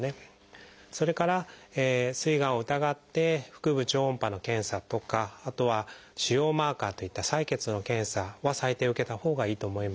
それからすいがんを疑って腹部超音波の検査とかあとは腫瘍マーカーといった採血の検査は最低受けたほうがいいと思います。